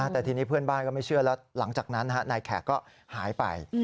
แต่ทีนี้เพื่อนบ้านก็ไม่เชื่อแล้วหลังจากนั้นนายแขกก็หายไป